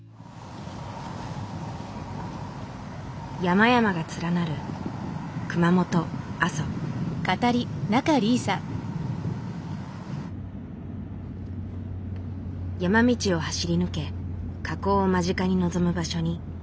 山々が連なる山道を走り抜け火口を間近に臨む場所に今回の舞台がある。